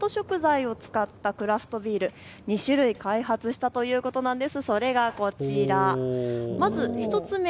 そのイベントにあわせて地元食材を使ったクラフトビール２種類開発したということなんです。